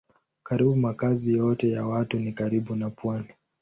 Karibu makazi yote ya watu ni karibu na pwani.